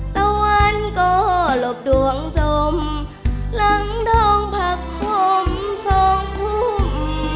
ตะวันก็หลบดวงจมหลังดองผักขมสองพุ่ม